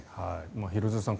廣津留さん